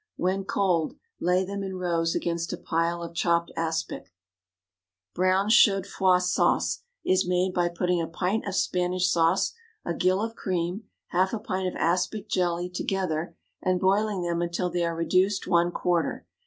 When cold, lay them in rows against a pile of chopped aspic. Brown Chaudfroid Sauce is made by putting a pint of Spanish sauce, a gill of cream, half a pint of aspic jelly together, and boiling them until they are reduced one quarter.